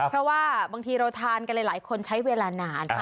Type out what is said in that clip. เพราะว่าบางทีเราทานกันหลายคนใช้เวลานาน